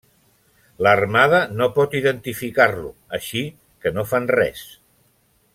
L'Armada no pot identificar-lo, així que no fan res.